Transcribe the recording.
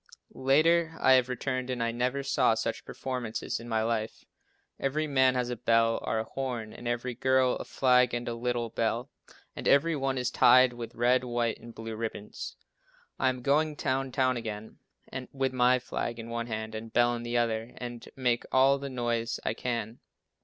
Later I have returned and I never saw such performances in my life. Every man has a bell or a horn, and every girl a flag and a little bell, and every one is tied with red, white and blue ribbons. I am going down town again now, with my flag in one hand and bell in the other and make all the noise I can.